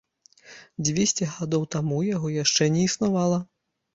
Дзвесце гадоў таму яго яшчэ не існавала.